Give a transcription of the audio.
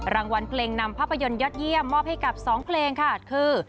รางวัลเพลงนำภาพยนตร์ยอดเยี่ยมมอบให้กับ๒เพลงค่ะคือ